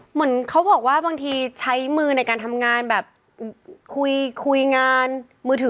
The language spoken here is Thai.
เหมือนเขาบอกว่าบางทีใช้มือในการทำงานแบบคุยคุยงานมือถือ